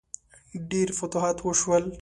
ډیر فتوحات وشول.